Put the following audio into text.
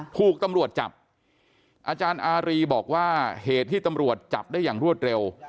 ถูกตำรวจจับอาจารย์อารีบอกว่าเหตุที่ตำรวจจับได้อย่างรวดเร็ว